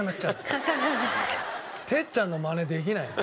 哲ちゃんのマネできないよね。